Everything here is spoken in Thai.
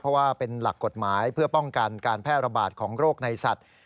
เพราะว่าเป็นหลักกฎหมายเพื่อป้องกันการแพร่ระบาดของโรคในสัตว์